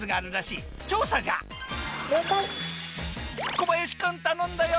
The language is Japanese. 小林君頼んだよ！